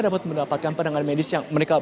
dapat mendapatkan penanganan medis yang mereka